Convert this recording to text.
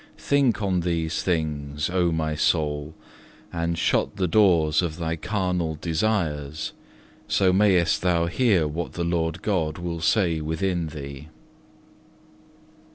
Think on these things, O my soul, and shut the doors of thy carnal desires, so mayest thou hear what the Lord God will say within thee.